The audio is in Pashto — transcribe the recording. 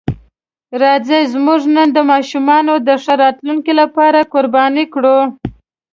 راځئ زموږ نن د ماشومانو د ښه راتلونکي لپاره قرباني کړو.